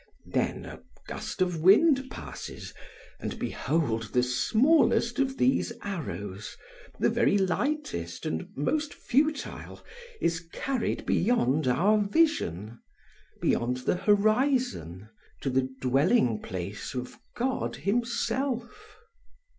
Then a gust of wind passes, and behold the smallest of these arrows, the very lightest and most futile, is carried beyond our vision, beyond the horizon, to the dwelling place of God himself.